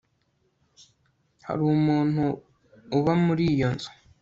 hari umuntu uba muri iyo nzu